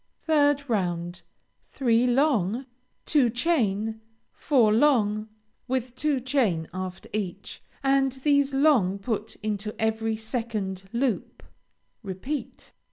3rd round Three long, two chain, four long with two chain after each, and these long put into every second loop; repeat.